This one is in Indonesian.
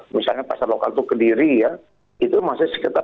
misalnya pasar lokal itu kediri ya itu masih sekitar